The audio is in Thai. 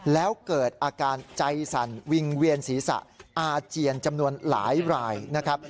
แล้วเกิดอาการใจสั่นวิงเวียนศีรษะอาเจียนจำนวนหลายรายนะครับ